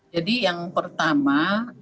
jadi yang pertama